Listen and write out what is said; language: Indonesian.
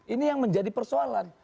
ini yang menjadi persoalan